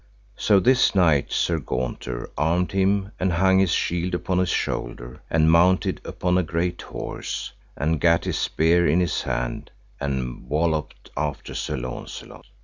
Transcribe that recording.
So this knight, Sir Gaunter, armed him, and hung his shield upon his shoulder, and mounted upon a great horse, and gat his spear in his hand, and walloped after Sir Launcelot.